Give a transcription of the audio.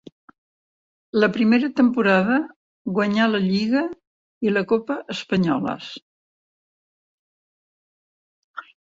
La primera temporada guanyà la lliga i la copa espanyoles.